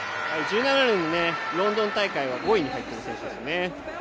１７年のロンドン大会は５位に入っている選手です。